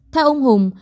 theo ông hùng